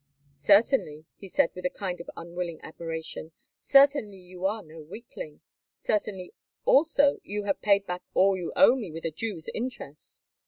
"Certainly," he said with a kind of unwilling admiration—"certainly you are no weakling. Certainly, also, you have paid back all you owe me with a Jew's interest.